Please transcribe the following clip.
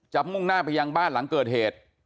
มุ่งหน้าไปยังบ้านหลังเกิดเหตุ